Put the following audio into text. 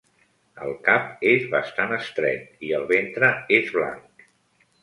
El cap és bastant estret i el ventre és blanc.